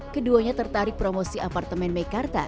keduanya tertarik promosi apartemen meikarta